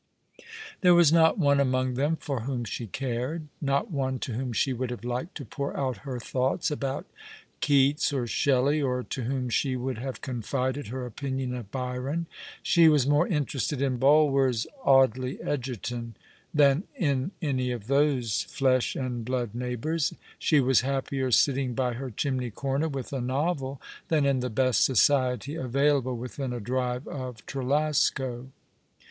There was not one among them for whom she cared ; not one to whom she would have liked to pour out her thoughts about Keats or Shelley, or to whom she would have confided her opinion of Byron. She was more interested in Bulwer's " Audley Egerton " than in any of those flesh and blood neighbours. She was happier sitting by her chimney corner with a novel than in the best society avail able within a drive of Trelasco.